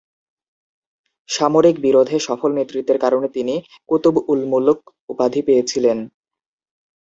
সামরিক বিরোধে সফল নেতৃত্বের কারণে তিনি "কুতুব-উল-মুলক" উপাধি পেয়েছিলেন।